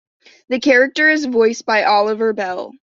The character is voiced by Oliver Bell.